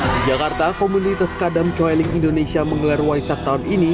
di jakarta komunitas kadam choiling indonesia menggelar waisak tahun ini